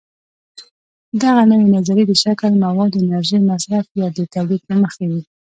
دغه نوې نظریې د شکل، موادو، انرژۍ مصرف یا د تولید له مخې وي.